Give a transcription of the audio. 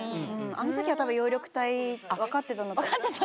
あの時は多分葉緑体分かってたんだと思う。